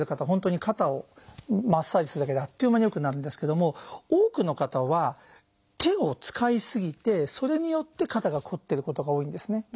本当に肩をマッサージするだけであっという間に良くなるんですけども多くの方は手を使い過ぎてそれによって肩がこってることが多いんですね。